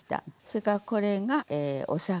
それからこれがお酒。